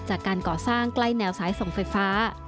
จากการก่อสร้างใกล้แนวสายส่งไฟฟ้า